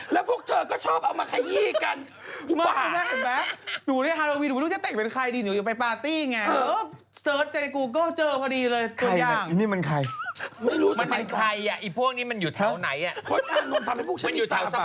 แล้วพวกเธอก็ชอบเอามาขยี้กัน